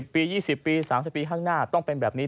ปี๒๐ปี๓๐ปีข้างหน้าต้องเป็นแบบนี้